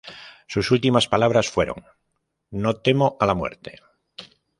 Sus últimas palabras fueron: "No temo a la muerte.